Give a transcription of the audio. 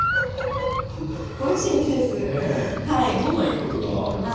おいしいんです。